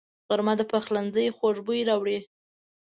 غرمه د پخلنځي خوږ بوی راوړي